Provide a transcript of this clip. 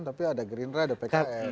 tapi ada gerindra ada pks